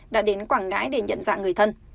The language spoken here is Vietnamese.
đã đến quảng ngãi để nhận dạng người thân